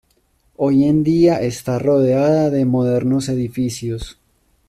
Hoy en día está rodeada de modernos edificios.